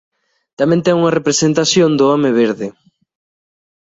Tamén ten unha representación do home verde.